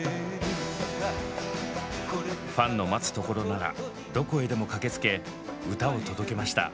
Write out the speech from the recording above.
ファンの待つところならどこへでも駆けつけ歌を届けました。